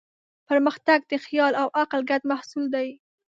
پرمختګ د خیال او عقل ګډ محصول دی.